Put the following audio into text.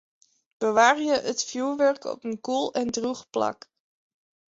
Bewarje it fjoerwurk op in koel en drûch plak.